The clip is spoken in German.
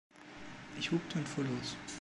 Ich hupte und fuhr los.